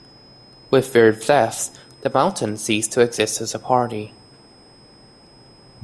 With their deaths, The Mountain ceased to exist as a party.